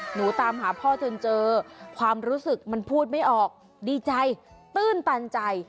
หนูตามหาพ่อจนเจอความรู้สึกมันพูดไม่ออกดีใจตื้นตันใจ